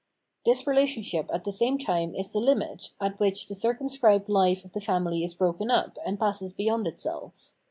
* This relationship at the same time is the limit, at which the circumscribed hfe of the family is broken up, and passes beyond itself.